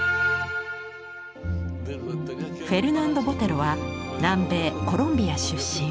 フェルナンド・ボテロは南米コロンビア出身。